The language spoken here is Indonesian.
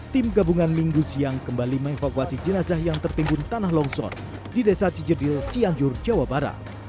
tim gabungan minggu siang kembali mengevakuasi jenazah yang tertimbun tanah longsor di desa cijedil cianjur jawa barat